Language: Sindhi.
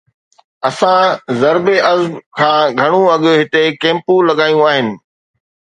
اسان ضرب عضب کان گهڻو اڳ هتي ڪيمپون لڳايون آهن.